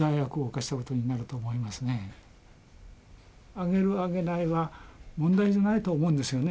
上げる上げないは問題じゃないと思うんですよね。